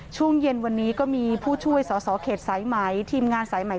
ช่วงเย็นวันนี้ก็มีผู้ช่วยสวบส่องเหตุที่สายไหม